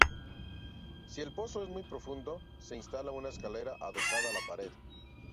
Si el pozo es muy profundo, se instala una escalera adosada a la pared.